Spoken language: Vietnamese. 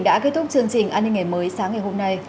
đã kết thúc chương trình an ninh ngày mới sáng ngày hôm nay